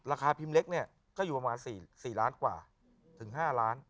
ราคาพิมพ์เล็กเนี่ยก็อยู่ประมาณ๔ล้านกว่าถึง๕ล้าน